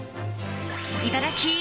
いただき！